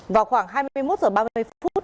vào khoảng hai mươi một h ba mươi phút